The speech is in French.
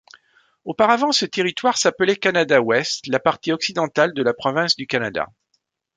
Auparavant, ce territoire s'appelait Canada-Ouest, la partie occidentale de la Province du Canada.